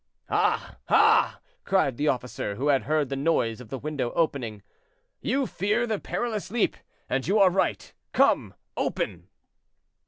"Ah! ah!" cried the officer, who had heard the noise of the window opening; "you fear the perilous leap, and you are right. Come, open!"